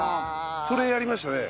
それやりましたね。